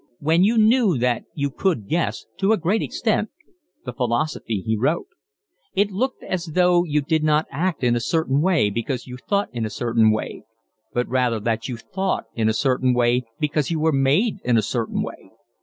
When you knew that you could guess to a great extent the philosophy he wrote. It looked as though you did not act in a certain way because you thought in a certain way, but rather that you thought in a certain way because you were made in a certain way.